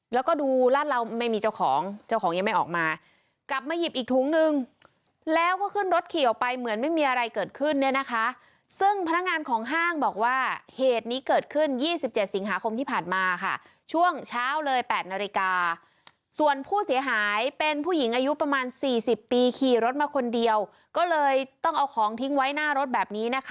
แล้วก็ดูลาดเราไม่มีเจ้าของเจ้าของยังไม่ออกมากลับมาหยิบอีกถุงนึงแล้วก็ขึ้นรถขี่ออกไปเหมือนไม่มีอะไรเกิดขึ้นเนี่ยนะคะซึ่งพนักงานของห้างบอกว่าเหตุนี้เกิดขึ้น๒๗สิงหาคมที่ผ่านมาค่ะช่วงเช้าเลย๘นาฬิกาส่วนผู้เสียหายเป็นผู้หญิงอายุประมาณ๔๐ปีขี่รถมาคนเดียวก็เลยต้องเอาของทิ้งไว้หน้ารถแบบนี้นะคะ